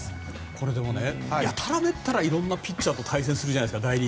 これ、やたらめったらいろんなピッチャーと対戦するじゃないですか。